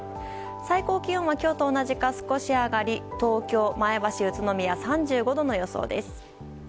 最高気温は今日と同じか少し上がり東京、前橋、宇都宮は３５度の予想です。